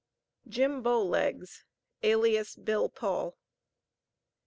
JIM BOW LEGS, alias BILL PAUL.